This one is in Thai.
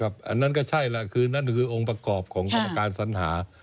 อันนั้นก็ใช่แหละคือนั่นคือองค์ประกอบของกรรมการสัญหา